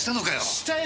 したよ！